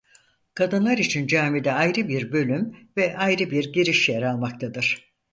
Kadınlar için camide ayrı bir bölüm ve ayrı bir giriş yer almaktadır.